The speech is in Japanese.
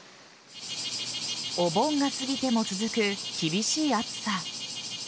お盆が過ぎても続く厳しい暑さ。